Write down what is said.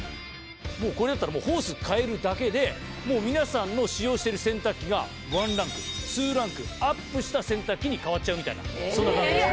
もうこれだったらホース替えるだけで皆さんの使用している洗濯機がワンランクツーランクＵＰした洗濯機に変わっちゃうみたいなそんな感じです。